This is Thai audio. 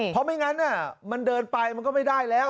เพราะไม่งั้นมันเดินไปมันก็ไม่ได้แล้ว